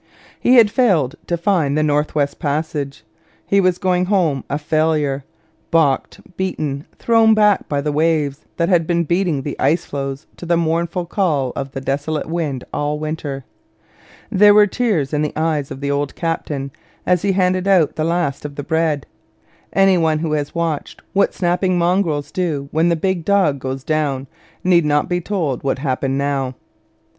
He had failed to find the North West Passage. He was going home a failure, balked, beaten, thrown back by the waves that had been beating the icefloes to the mournful call of the desolate wind all winter. There were tears in the eyes of the old captain as he handed out the last of the bread. Any one who has watched what snapping mongrels do when the big dog goes down, need not be told what happened now.